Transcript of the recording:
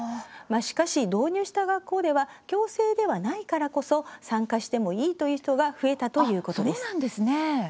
しかし、導入した学校では強制ではないからこそ参加してもいいという人が増えたということです。